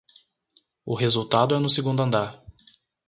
O resultado é no segundo andar